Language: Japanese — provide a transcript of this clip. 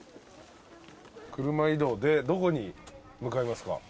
車移動でどこに向かいますか？